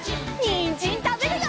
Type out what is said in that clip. にんじんたべるよ！